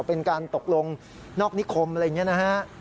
เป็นการตกลงนอกนิคมอะไรอย่างนี้นะฮะ